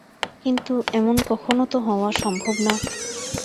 কিন্তু, এমন কখনও তো হওয়া সম্ভব না!